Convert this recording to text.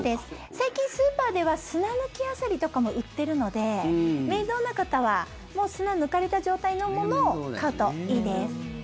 最近、スーパーでは砂抜きアサリとかも売ってるので面倒な方はもう砂、抜かれた状態のものを買うといいです。